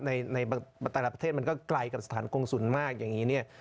ในแต่ละประเทศมันก็ไกลกับสถานกงศูนย์มากอย่างนี้เนี่ย